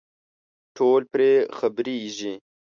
ټول پرې خبرېږي.